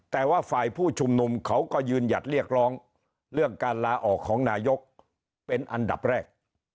แต่ว่าฝ่ายผู้ชุมนุมเขาก็ยืนหยัดเรียกร้องเรื่องการลาออกของนายกเป็นอันดับแรก